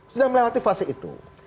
sudah melewati fase itu